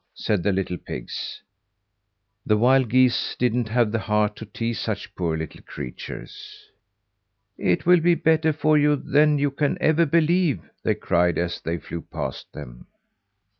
said the little pigs. The wild geese didn't have the heart to tease such poor little creatures. "It will be better for you than you can ever believe," they cried as they flew past them.